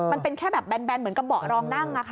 มันเป็นแค่แบบแบนเหมือนกับเบาะรองนั่ง